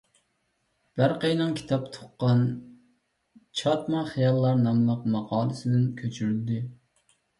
بەرقىينىڭ «كىتاب تۇغقان چاتما خىياللار» ناملىق ماقالىسىدىن كۆچۈرۈلدى.